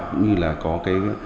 cũng như là có cái